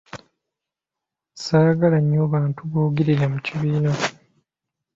Saagala nnyo bantu boogerera mu kibiina.